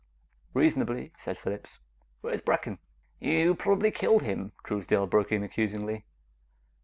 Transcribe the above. "Reasonably," said Phillips. "Where's Brecken?" "You probably killed him!" Truesdale broke in accusingly.